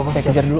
saya kejar dulu